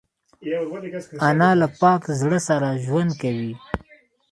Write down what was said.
انا له پاک زړه سره ژوند کوي